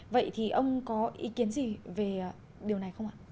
vậy thì ông có ý kiến gì về điều này không ạ